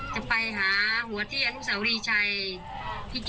จะไปหาหัวเที่ยงหุ่นเสารีชัยที่๗๖ค่ะ